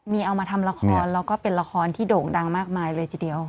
มีเอามาทำละครแล้วก็เป็นละครที่โด่งดังมากมายเลยทีเดียว